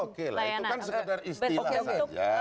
oke lah itu kan sekedar istilah saja